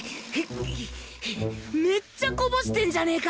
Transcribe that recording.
めっちゃこぼしてんじゃねえか